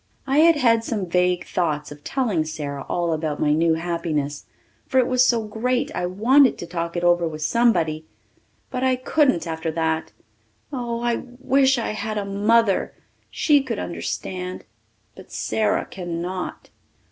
I had had some vague thoughts of telling Sara all about my new happiness, for it was so great I wanted to talk it over with somebody, but I couldn't after that. Oh, I wish I had a mother! She could understand. But Sara cannot.